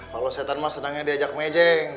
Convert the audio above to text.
kalau setan mas sedangnya diajak mejeng